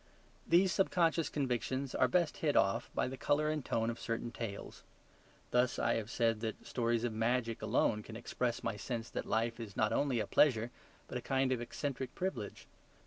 These subconscious convictions are best hit off by the colour and tone of certain tales. Thus I have said that stories of magic alone can express my sense that life is not only a pleasure but a kind of eccentric privilege.